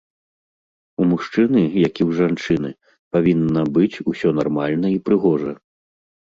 У мужчыны, як і ў жанчыны, павінна быць усё нармальна і прыгожа.